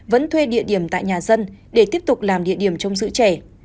vẫn thuê địa điểm tại nhà dân để tiếp tục làm địa điểm trông giữ trẻ